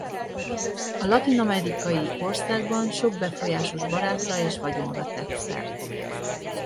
A latin-amerikai országban sok befolyásos barátra és vagyonra tett szert.